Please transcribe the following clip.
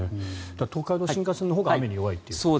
東海道新幹線のほうが雨に弱いと。